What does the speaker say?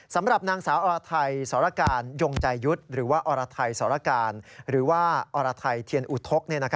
สำหรับนางสาวออลาไทยศยกยทรหรือว่าออลาไทยศการหรือว่าออลาไทยเทียร์อุทก